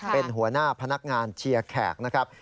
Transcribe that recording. เป็นหัวหน้าพนักงานเชียร์แขกนะครับ